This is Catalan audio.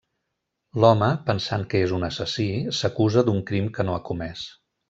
L'home, pensant que és un assassí, s'acusa d'un crim que no ha comès.